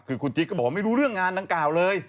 คือคุณจิ๊กก็บอกว่าไม่รู้เรื่องงานดังกล่าวเลย